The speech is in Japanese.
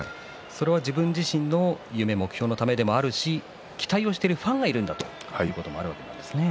自分自身の夢目標のためでもあるし期待をしているファンがいるんだということもあるわけですね。